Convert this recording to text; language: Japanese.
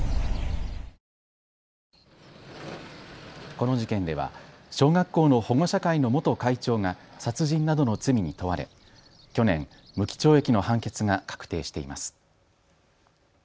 この事件では小学校の保護者会の元会長が殺人などの罪に問われ去年、無期懲役の判決が確定しています。